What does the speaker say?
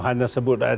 hanya sebut aja